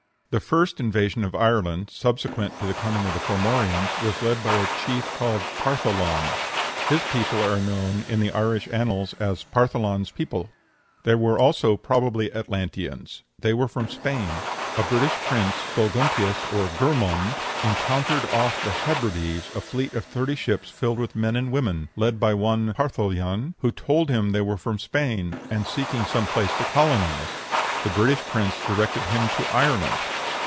The first invasion of Ireland, subsequent to the coming of the Formorians, was led by a chief called Partholan: his people are known in the Irish annals as "Partholan's people." They were also probably Atlanteans. They were from Spain. A British prince, Gulguntius, or Gurmund, encountered off the Hebrides a fleet of thirty ships, filled with men and women, led by one Partholyan, who told him they were from Spain, and seeking some place to colonize. The British prince directed him to Ireland.